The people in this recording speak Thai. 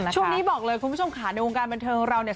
ช่วงนี้บอกเลยคุณผู้ชมค่ะในวงการบันเทิงของเราเนี่ย